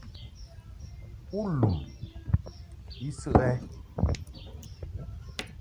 U lum I səʼ ɛ?